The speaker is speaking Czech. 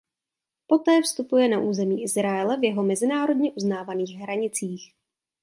Poté vstupuje na území Izraele v jeho mezinárodně uznávaných hranicích.